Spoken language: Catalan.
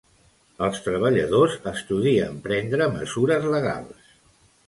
Els treballadors estudien prendre mesures legals.